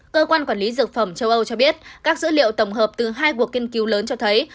cơ quan quản lý dược phẩm châu âu cho biết các dữ liệu tổng hợp từ hai cuộc nghiên cứu lớn cho thấy